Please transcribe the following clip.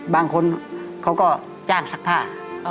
บางคนเขาก็จ้างซักผ้า